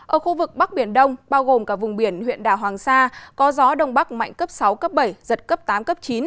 ở khu vực bắc biển đông bao gồm cả vùng biển huyện đảo hoàng sa có gió đông bắc mạnh cấp sáu cấp bảy giật cấp tám cấp chín